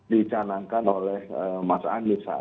dicanangkan oleh mas anies saat ini